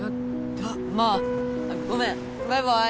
まぁごめんバイバイ。